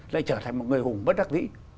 lại trở thành một người hùng bất đắc dĩ